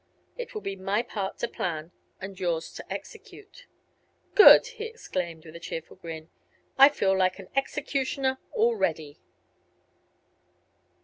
It will be my part to plan, and yours to execute." "Good!" he exclaimed, with a cheerful grin. "I feel like an executioner already!"